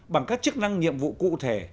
bằng các chức năng nhiệm vụ cụ thể